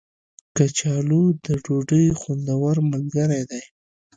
کچالو د ډوډۍ خوندور ملګری دی